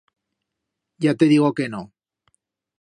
Ya te digo que no!